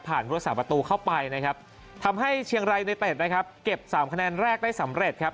พุทธศาสตประตูเข้าไปนะครับทำให้เชียงรายในเต็ดนะครับเก็บสามคะแนนแรกได้สำเร็จครับ